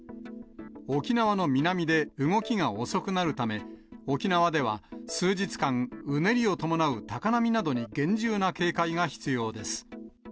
沖縄の南で動きが遅くなるため、沖縄では、数日間、うねりを伴う高波などに厳重な警戒が必要です。